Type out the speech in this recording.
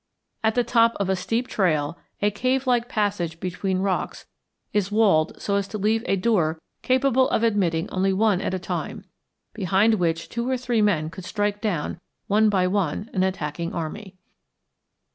At the top of a steep trail a cave like passage between rocks is walled so as to leave a door capable of admitting only one at a time, behind which two or three men could strike down, one by one, an attacking army.